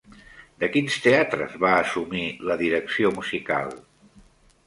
De quins teatres va assumir la direcció musical?